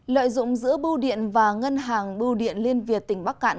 lợi dụng giữa bưu điện và ngân hàng bưu điện liên việt tỉnh bắc cạn